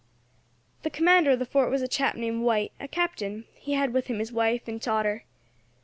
"The Commander of the fort was a chap named White, a captain; he had with him his wife and daughter.